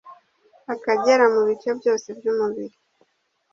akagera mu bice byose by'umubiri